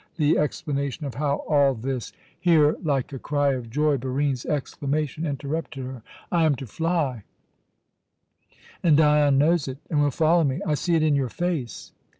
The explanation of how all this " Here, like a cry of joy, Barine's exclamation interrupted her: "I am to fly, and Dion knows it and will follow me! I see it in your face."